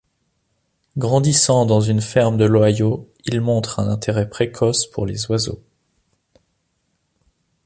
Grandissant dans une ferme de l’Ohio, il montre un intérêt précoce pour les oiseaux.